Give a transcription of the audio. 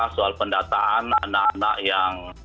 soal pendataan anak anak yang